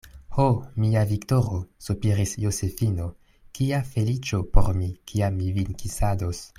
Ho, mia Viktoro, sopiris Josefino, kia feliĉo por mi, kiam mi vin kisados.